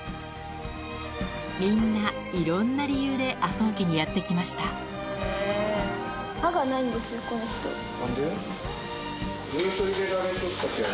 みんないろんな理由で麻生家にやって来ました何で？